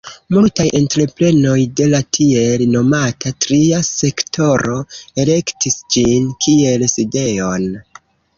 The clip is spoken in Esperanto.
Multaj entreprenoj de la tiel nomata tria sektoro elektis ĝin kiel sidejon.